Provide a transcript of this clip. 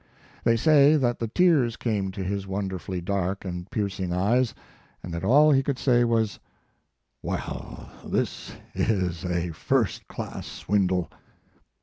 They say that the tears came to his won derfully dark and piercing eyes, and that all he could say was, Well, this is a first class swindle."